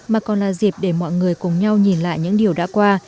mà còn là dịp để mọi người cùng nhau nhìn lại những điều đã qua